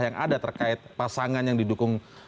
yang ada terkait pasangan yang didukung